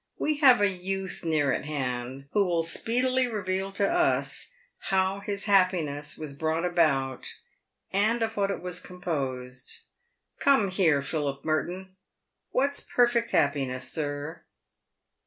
"We have a youth near at hand who will speedily reveal to us how his happiness was brought K 130 PAVED WITH GOLD. about, and of what it was composed. Come here, Philip Merton ! "What's perfect happiness, sir